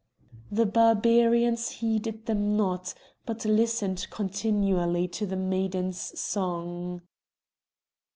The Barbarians heeded them not, but listened continually to the maiden's song.